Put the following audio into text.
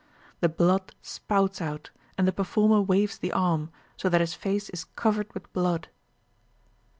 The blood spouts out, and the performer waves the arm, so that his face is covered with blood.